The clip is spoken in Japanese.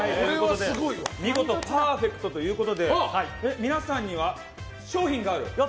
見事パーフェクトということで皆さんには商品がある？